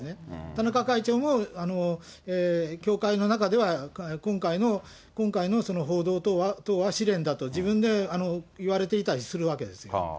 田中会長も、教会の中では今回の報道等は試練だと、自分で言われていたりするわけです。